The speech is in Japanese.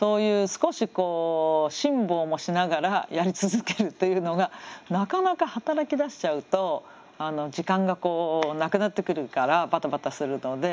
少しこう辛抱もしながらやり続けるというのがなかなか働きだしちゃうと時間がなくなってくるからバタバタするので。